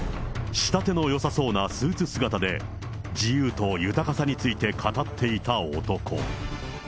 仕立てのよさそうなスーツ姿で、自由と豊かさについて語っていた男。